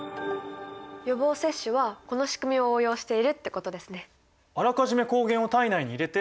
予防接種はこのしくみを応用しているってことですね！